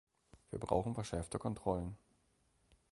Wir brauchen verschärfte Kontrollen.